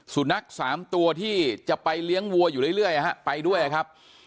สุนัข๓ตัวที่จะไปเลี้ยงวัวอยู่เรื่อยไปด้วยครับ